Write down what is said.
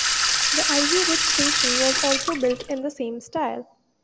The Ivy Ridge station was also built in the same style.